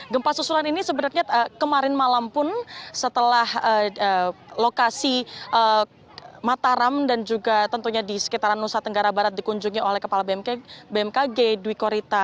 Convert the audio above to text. gempa susulan ini sebenarnya kemarin malam pun setelah lokasi mataram dan juga tentunya di sekitaran nusa tenggara barat dikunjungi oleh kepala bmkg dwi korita